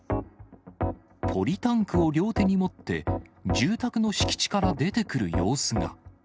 ポリタンクを両手に持って、住宅の敷地から出てくる様子が。